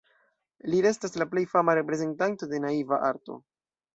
Li restas la plej fama reprezentanto de naiva arto.